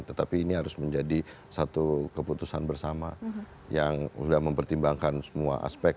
tetapi ini harus menjadi satu keputusan bersama yang sudah mempertimbangkan semua aspek